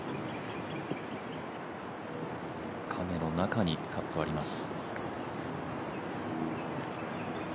影の中にカップはあります。